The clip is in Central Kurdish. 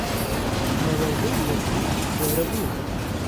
بوومەلەرزەیێکی گەورە بوو